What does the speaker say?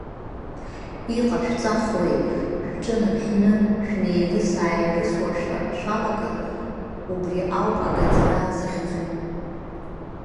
Иҟашәҵахуеи, шәҿы нарҳәны шәнеивыс-иаивысуашәа шәалагар, убри ауп агаӡара захьӡу.